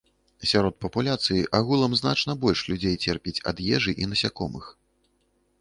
Сярод папуляцыі агулам значна больш людзей церпіць ад ежы і насякомых.